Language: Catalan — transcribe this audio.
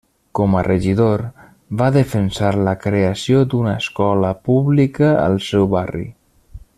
Com a regidor, va defensar la creació d'una escola pública al seu barri.